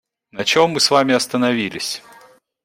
На чем мы с вами остановились?